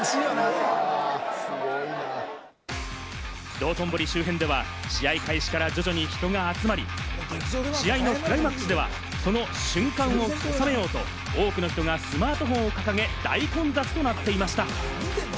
道頓堀周辺では試合開始から徐々に人が集まり、試合のクライマックスでは、その瞬間を収めようと、多くの人がスマートフォンを掲げ、大混雑となっていました。